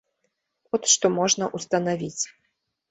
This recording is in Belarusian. От што можна ўстанавіць.